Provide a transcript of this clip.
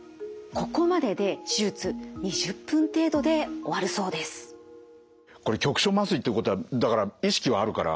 これ局所麻酔ってことはだから意識はあるから見えてるわけですよね？